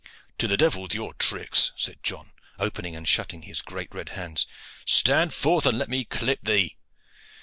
"To the devil with your tricks," said John, opening and shutting his great red hands. "Stand forth, and let me clip thee."